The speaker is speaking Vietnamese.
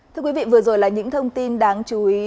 thưa quý vị vừa rồi là những thông tin đáng chú ý